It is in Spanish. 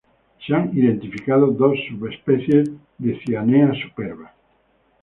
Se han identificado dos subespecies de Cyanea superba